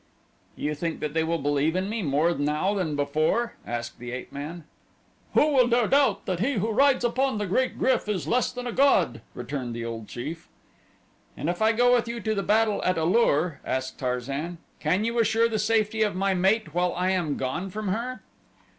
"You think that they will believe in me more now than before?" asked the ape man. "Who will dare doubt that he who rides upon the great GRYF is less than a god?" returned the old chief. "And if I go with you to the battle at A lur," asked Tarzan, "can you assure the safety of my mate while I am gone from her?"